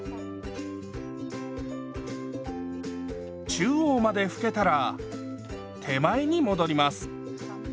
中央まで拭けたら手前に戻ります。